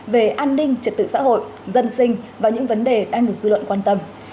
về an ninh trật tự xã hội dân sinh và những vấn đề đang được dư luận quan tâm